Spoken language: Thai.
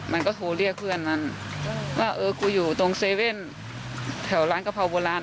มันก็โทรเรียกเพื่อนนั้นว่าเออกูอยู่ตรงเซเว่นแถวร้านกะเพราโบราณ